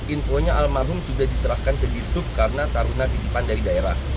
infonya almarhum sudah diserahkan ke gistub karena tarunan digipan dari daerah